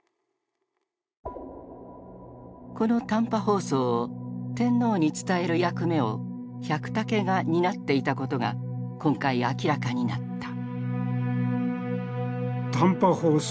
この短波放送を天皇に伝える役目を百武が担っていたことが今回明らかになった。